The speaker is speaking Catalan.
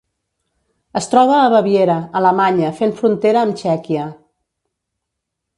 Es troba a Baviera, Alemanya fent frontera amb Txèquia.